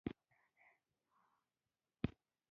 دا خبره د قران او سنت څخه ښکاره معلوميږي